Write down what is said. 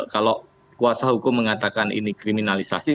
kalau kuasa hukum mengatakan ini kriminalisasi